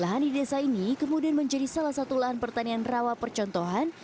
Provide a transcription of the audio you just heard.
lahan di desa ini kemudian menjadi salah satu lahan pertanian rawa percontohan